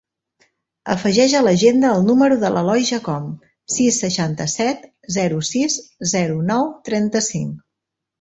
Afegeix a l'agenda el número de l'Eloi Jacome: sis, seixanta-set, zero, sis, zero, nou, trenta-cinc.